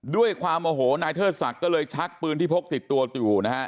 ด้วยความโอโหนายเทิดศักดิ์ก็เลยชักปืนที่พกติดตัวอยู่นะฮะ